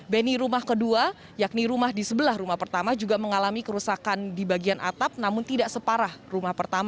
beni rumah kedua yakni rumah di sebelah rumah pertama juga mengalami kerusakan di bagian atap namun tidak separah rumah pertama